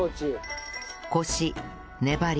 コシ粘り